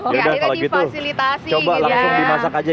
ya udah kalau gitu coba langsung dimasak aja